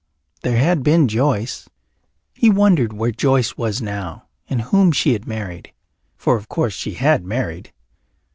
There had been Joyce. He wondered where Joyce was now and whom she had married, for of course she had married.